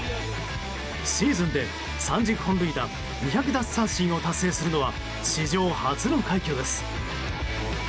シーズンで３０本塁打２００奪三振を達成するのは史上初の快挙です。